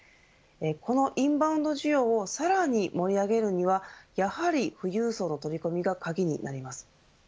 このインバウンド需要をさらに盛り上げるにはやはり、富裕層の取り込みが鍵になります。